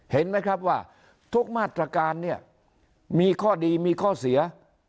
เห็นไหมครับว่าทุกมาตรการเนี่ยมีข้อดีมีข้อเสีย